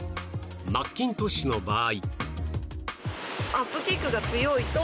マッキントッシュの場合。